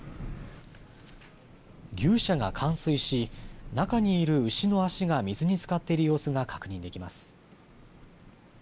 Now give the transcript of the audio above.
牛舎が冠水し中にいる牛の足が水につかっている様子が確認できます。